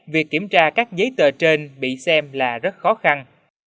việc kiểm tra các giấy tờ trên bị xem là rất khó khăn